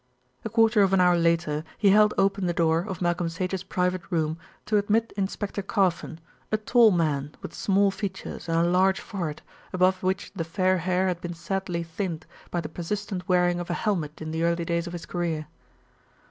A quarter of an hour later he held open the door of Malcolm Sage's private room to admit Inspector Carfon, a tall man, with small features and a large forehead, above which the fair hair had been sadly thinned by the persistent wearing of a helmet in the early days of his career.